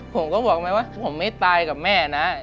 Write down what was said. ผมก็บอกไหมว่าผมไม่ตายกับแม่นะ